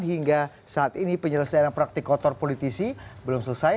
hingga saat ini penyelesaian praktik kotor politisi belum selesai